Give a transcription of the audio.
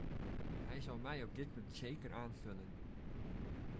Hij zal mij op dit punt zeker aanvullen.